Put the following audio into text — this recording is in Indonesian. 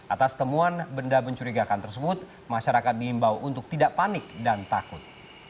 atas temuan benda mencurigakan tersebut masyarakat diimbau untuk tidak panik dan takut